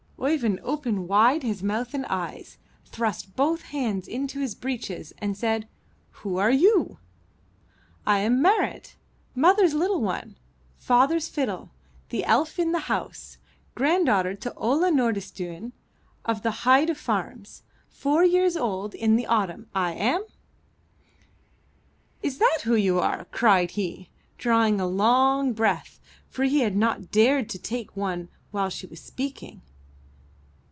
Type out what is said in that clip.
Oeyvind opened wide his mouth and eyes, thrust both hands into his breeches and said: *'Who are you?" '1 am Marit, mother's little one, father's fiddle, the elf in the house, granddaughter to Ola Nordi stuen of the Heide farms, four years old in the autumn — I am!" *'Is that who you are?" cried he, drawing a long breath, for he had not dared to take one while she was speaking.